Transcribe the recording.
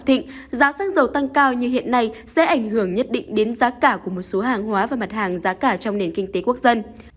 thịnh giá xăng dầu tăng cao như hiện nay sẽ ảnh hưởng nhất định đến giá cả của một số hàng hóa và mặt hàng giá cả trong nền kinh tế quốc dân